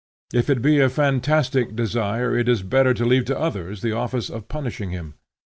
If it be a fantastic desire, it is better to leave to others the office of punishing him.